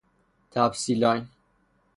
تپسی لاین